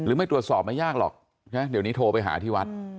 ไม่ตรวจสอบไม่ยากหรอกเดี๋ยวนี้โทรไปหาที่วัด